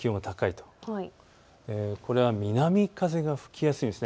これは南風が吹きやすいんです。